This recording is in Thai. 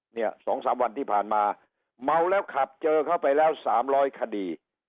เนี่ย๒๓วันที่ผ่านมาเมาแล้วขับเจอเข้าไปแล้ว๓๐๐คดี